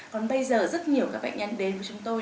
còn bây giờ rất nhiều các bệnh nhân đến với chúng tôi